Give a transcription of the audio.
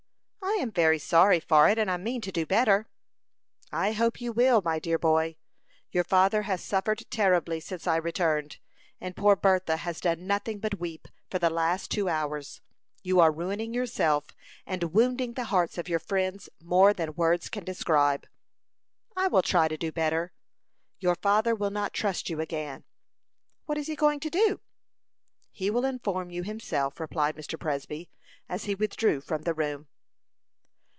"I am very sorry for it, and I mean to do better." "I hope you will, my dear boy. Your father has suffered terribly since I returned, and poor Bertha has done nothing but weep for the last two hours. You are ruining yourself and wounding the hearts of your friends more than words can describe." "I will try to do better." "Your father will not trust you again." "What is he going to do?" "He will inform you himself," replied Mr. Presby, as he withdrew from the room.